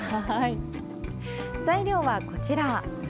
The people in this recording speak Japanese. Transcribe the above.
材料はこちら。